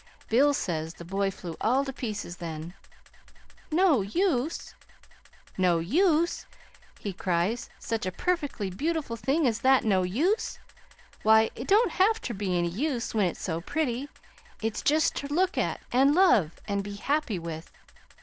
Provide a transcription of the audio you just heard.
"Bill says the boy flew all to pieces then. 'No use no use!' he cries; 'such a perfectly beautiful thing as that no use! Why, it don't have ter be any use when it's so pretty. It's jest ter look at an' love, an' be happy with!'